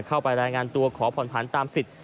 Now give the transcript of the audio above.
เข้าไปรายงานตัวขอผ่อนผันตามสิทธิ